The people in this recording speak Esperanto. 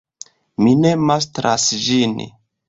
Mi ne mastras ĝin.